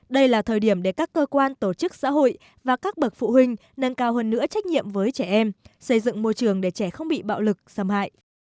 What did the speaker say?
đây là thời điểm để các cơ quan tổ chức xã hội và các bậc phụ huynh nâng cao hơn nữa trách nhiệm với trẻ em xây dựng môi trường để trẻ không bị bạo lực xâm hại